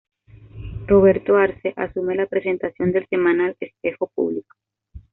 Roberto Arce, asume la presentación del semanal Espejo Público.